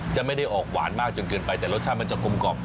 จะไม่ได้ออกหวานมากจนเกินไปแต่รสชาติมันจะกลมกล่อม